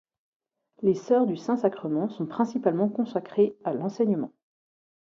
Les sœurs du Saint-Sacrement sont principalement consacrées à l'enseignement.